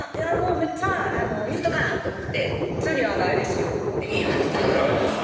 めっちゃ言うとかなと思って「次はないですよ」って言いました「次はないですよ」